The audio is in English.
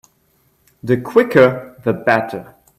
The quicker the better.